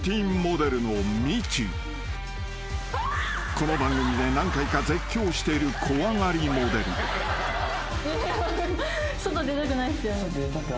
［この番組で何回か絶叫している怖がりモデル］外出たくないの？